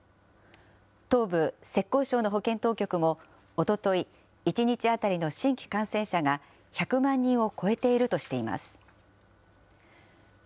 東部、浙江省の保健当局も、おととい、１日当たりの新規感染者が１００万人を超えているとしています。